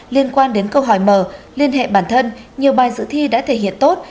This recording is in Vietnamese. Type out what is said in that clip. liên quan đến câu hỏi mở liên hệ bản thân nhiều bài dự thi đã thể hiện tốt